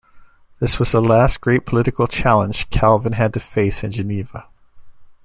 This was the last great political challenge Calvin had to face in Geneva.